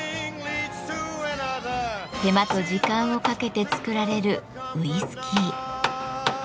手間と時間をかけて造られるウイスキー。